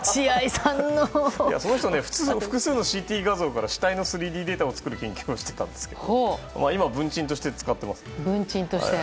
その人複数のＣＴ画像から死体の３Ｄデータを作る研究をしていたんですけど今は文鎮として使ってます。